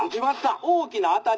「大きな当たり」。